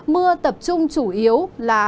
mưa tập trung chủ yếu là